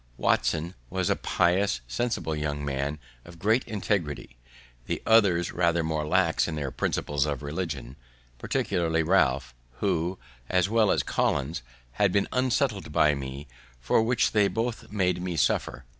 Watson was a pious, sensible young man, of great integrity; the others rather more lax in their principles of religion, particularly Ralph, who, as well as Collins, had been unsettled by me, for which they both made me suffer.